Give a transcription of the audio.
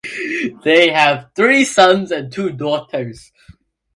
They have three sons and two daughters.